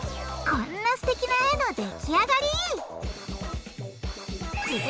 こんなすてきな絵のできあがり！